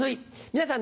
皆さん